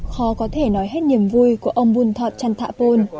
khó có thể nói hết niềm vui của ông bùn thọn trăn thạ pôn